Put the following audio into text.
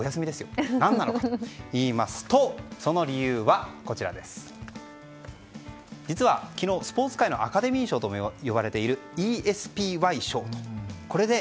何なのかといいますとその理由は実は、昨日スポーツ界のアカデミー賞ともいわれているＥＳＰＹ賞で